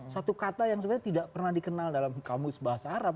satu kata yang sebenarnya tidak pernah dikenal dalam kamus bahasa arab